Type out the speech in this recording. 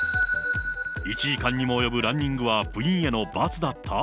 １時間にも及ぶランニングは、部員への罰だった？